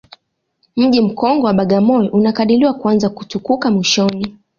Mji mkongwe wa Bagamoyo unakadiriwa kuanza kutukuka mwishoni